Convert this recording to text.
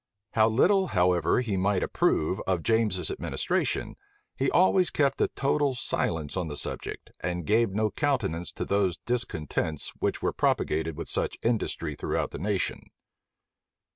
How little however he might approve of James's administration, he always kept a total silence on the subject, and gave no countenance to those discontents which were propagated with such industry throughout the nation.